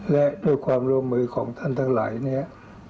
และด้วยความร่วมมือของท่านทั้งหลายเนี่ย